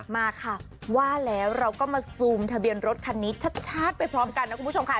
มาค่ะว่าแล้วเราก็มาซูมทะเบียนรถคันนี้ชัดไปพร้อมกันนะคุณผู้ชมค่ะ